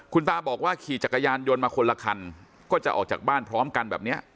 คุณตาบอกว่าขี่จักรยานยนต์มาคนละคันก็จะออกจากบ้านพร้อมกันแบบนี้